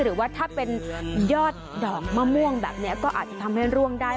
หรือว่าถ้าเป็นยอดดอกมะม่วงแบบนี้ก็อาจจะทำให้ร่วงได้